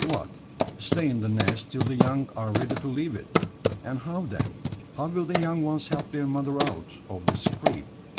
What, stay in the nest till the young are ready to leave it! And how then? How will the young ones help their mother out of the scrape?